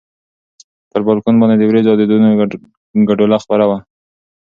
پر بالکن باندې د ورېځو او دودونو ګډوله خپره وه.